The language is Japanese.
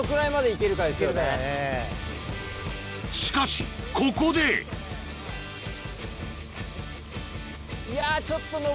しかしここでいやちょっと。